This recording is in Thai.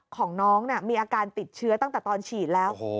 ของน้องมีอาการติดเชื้อตั้งแต่ตอนฉีดแล้ว